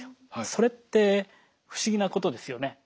それって不思議なことですよね。